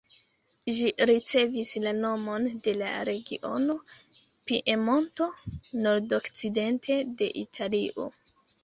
Ĝi ricevis la nomon de la regiono Piemonto, nordokcidente de Italio.